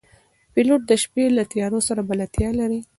پیلوټ د شپې له تیارو سره بلدتیا لري.